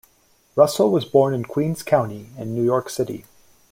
Russell was born in Queens County in New York City.